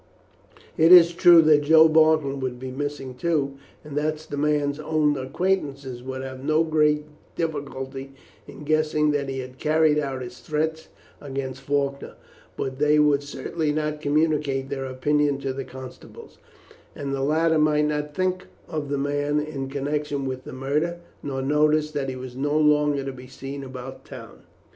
It is true that Joe Markham would be missing too, and that the man's own acquaintances would have no great difficulty in guessing that he had carried out his threats against Faulkner, but they would certainly not communicate their opinion to the constables, and the latter might not think of the man in connection with the murder, nor notice that he was no longer to be seen about the town.